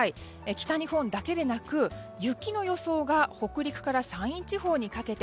北日本だけでなく、雪の予想が北陸から山陰地方にかけて。